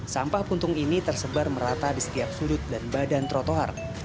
sampah puntung ini tersebar merata di setiap sudut dan badan trotoar